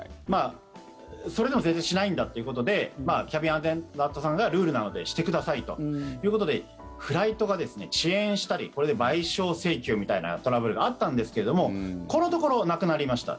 それでも全然しないんだということでキャビンアテンダントさんがルールなのでしてくださいということでフライトが遅延したりこれで賠償請求みたいなトラブルがあったんですけどこのところなくなりました。